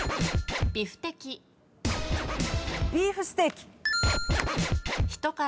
ビーフステーキ。